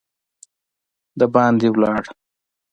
د باندي لاړ.